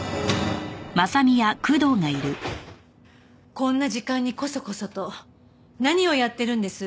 こんな時間にこそこそと何をやってるんです？